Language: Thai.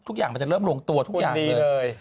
ทุกอย่างมันจะเริ่มลงตัวทุกอย่างเลย